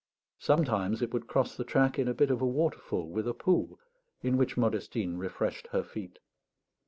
Sometimes it would cross the track in a bit of waterfall, with a pool, in which Modestine refreshed her feet.